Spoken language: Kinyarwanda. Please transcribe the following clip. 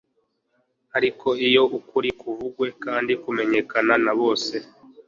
Ariko iyo ukuri kuvugwe kandi kumenyekana na bose